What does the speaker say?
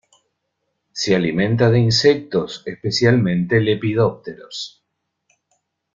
Se alimenta de insectos, especialmente lepidópteros.